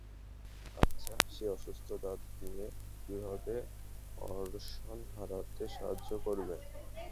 আচ্ছা, সে অসুস্থ দাঁত নিয়ে কীভাবে ওরসনকে হারাতে সাহায্য করবে?